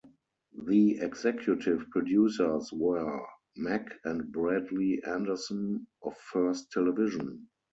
The Executive Producers were Mack and Bradley Anderson of First Television.